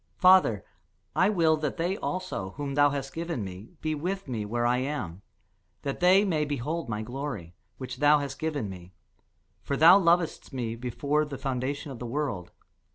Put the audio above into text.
Father, I will that they also, whom thou hast given me, be with me where I am; that they may behold my glory, which thou hast given me: for thou lovedst me before the foundation of the world.